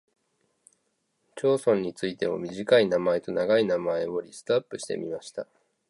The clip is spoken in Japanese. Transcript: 町村についても短い名前（一文字）と長い名前（四文字以上）をリストアップしてみました。